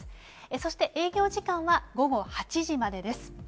そして営業時間は午後８時までです。